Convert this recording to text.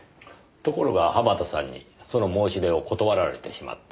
ところが濱田さんにその申し出を断られてしまった。